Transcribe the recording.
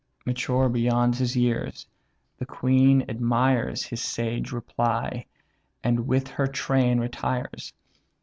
Mature beyond his years, the queen admires His sage reply, and with her train retires.